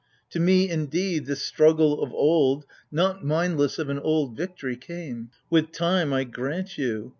To me, indeed, this strusjgle of old — not mindless I20 AGAMEMNON. Of an old victory — came : with time, I grant you